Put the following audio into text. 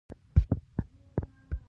افغانستان د ژوند مېنه ده.